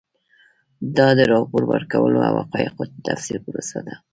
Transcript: دا د راپور ورکولو او حقایقو د تفسیر پروسه ده.